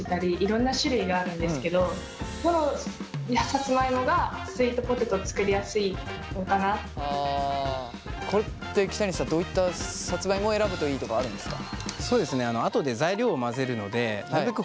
さつまいもって北西さんどういったさつまいもを選ぶといいとかあるんですは？